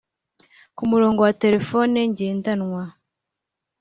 Ku murongo wa telephone ngendanwa